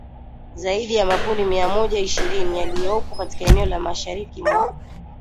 zaidi ya makundi mia moja ishirini yaliyopo katika eneo la mashariki mwa